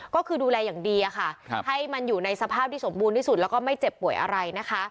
ก็คือดูแลอย่างดีค่ะให้มันอยู่ในสภาพที่สมบูรณ์ที่สุดแล้วก็ไม่เจ็บป่วยอะไรนะคะ